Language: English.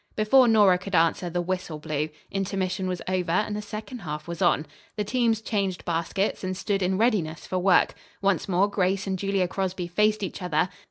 Before Nora could answer the whistle blew. Intermission was over and the second half was on. The teams changed baskets and stood in readiness for work. Once more Grace and Julia Crosby faced each other.